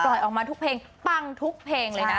ออกมาทุกเพลงปังทุกเพลงเลยนะ